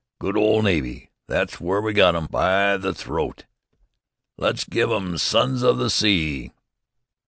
"Good old navy! That's w'ere we got 'em by the throat!" "Let's give 'em 'Sons of the Sea!'"